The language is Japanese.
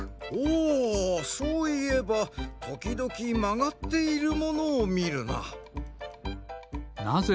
おおそういえばときどきまがっているものをみるな。